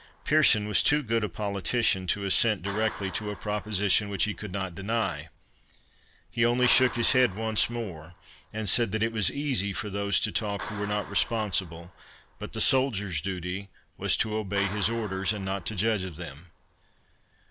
Pearson was too good a politician to assent directly to a proposition which he could not deny—he only shook his head once more, and said that it was easy for those to talk who were not responsible, but the soldier's duty was to obey his orders, and not to judge of them.